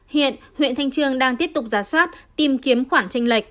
hiện huyện thanh trương đang tiếp tục giả soát tìm kiếm khoản tranh lệch